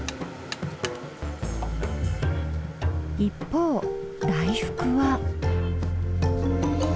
一方大福は。